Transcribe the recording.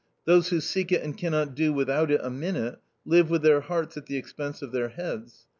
Those who seek it and cannot do without it a minute — live with their hearts at the expense of their heads.